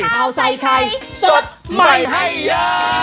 ข่าวใส่ไข่สดใหม่ให้เยอะ